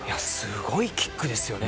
すごいキックですよね。